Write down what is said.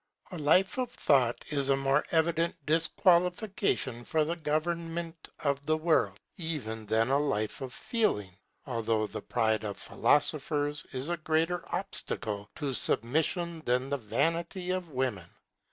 A life of thought is a more evident disqualification for the government of the world even than a life of feeling, although the pride of philosophers is a greater obstacle to submission than the vanity of women.